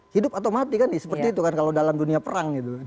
hidup atau mati kan seperti itu kan kalau dalam dunia perang gitu